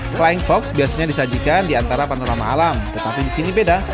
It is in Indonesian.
flying fox biasanya disajikan di antara panorama alam tetapi di sini beda